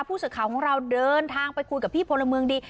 ผู้สื่อข่าวของเราเดินทางไปคุยกับพี่พลเมืองดี